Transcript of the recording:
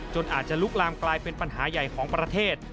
อาจจะลุกลามกลายเป็นปัญหาใหญ่ของประเทศ